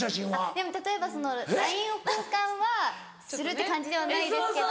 でも例えばＬＩＮＥを交換はするって感じではないですけど。